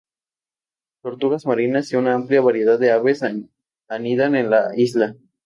Tortugas marinas y una amplia variedad de aves anidan en la isla.